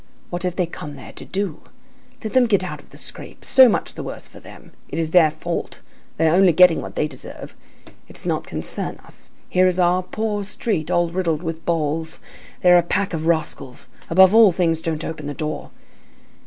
What have they come there to do? Let them get out of the scrape. So much the worse for them. It is their fault. They are only getting what they deserve. It does not concern us. Here is our poor street all riddled with balls. They are a pack of rascals. Above all things, don't open the door."